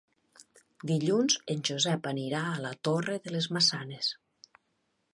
Dilluns en Josep anirà a la Torre de les Maçanes.